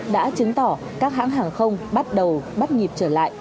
đã chứng tỏ các hãng hàng không bắt đầu bắt nhịp trở lại